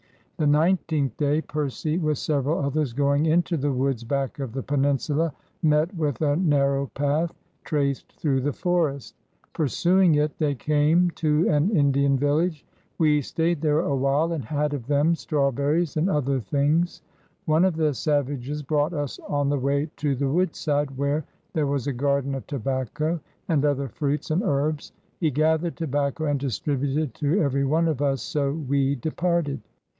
The nineteenth day Percy with several others going into the woods back of the peninsula met with a narrow path traced through the forest. Pursuing it, they came to an Indian village. "We stayed there a while and had of them strawber ries and other thinges. •.. One of the Savages brought us on the way to the Woodside where there was a Garden of Tobacco and other fruits and herbes; he gathered Tobacco and distributed to every one of us, so wee departed.